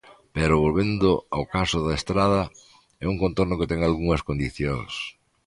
Pero, volvendo ao caso da Estrada, é un contorno que ten algunhas condicións.